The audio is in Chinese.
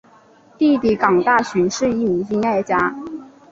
弟弟港大寻是一名音乐家。